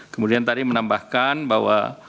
kemudian tadi menambahkan bahwa